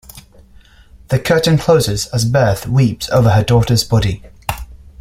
The curtain closes as Berthe weeps over her daughter's body.